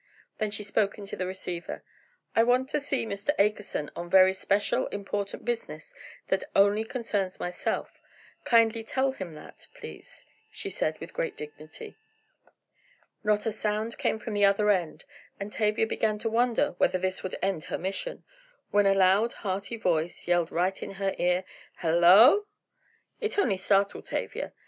Then she spoke into the receiver: "I want to see Mr. Akerson on very special, important business that only concerns myself; kindly tell him that, please," she said, with great dignity. Not a sound came from the other end and Tavia began to wonder whether this would end her mission, when a loud, hearty voice yelled right in her ear: "Hello o o!" It only startled Tavia.